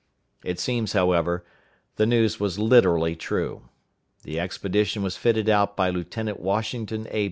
It seems, however, the news was literally true. The expedition was fitted out by Lieutenant Washington A.